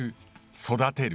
育てる。